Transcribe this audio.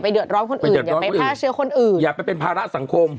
เดือดร้อนคนอื่นอย่าไปแพร่เชื้อคนอื่นอย่าไปเป็นภาระสังคม